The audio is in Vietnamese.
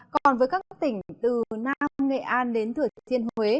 còn với các tỉnh từ nam nghệ an đến thừa thiên huế